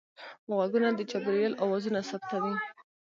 غوږونه د چاپېریال اوازونه ثبتوي